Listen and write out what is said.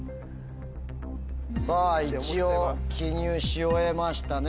さぁ一応記入し終えましたね。